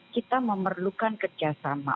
kita memerlukan kerjasama